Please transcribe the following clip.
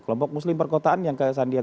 kelompok muslim perkotaan yang ke sandi egan